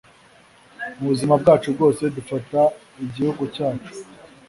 mubuzima bwacu bwose dufata igihugu cyacu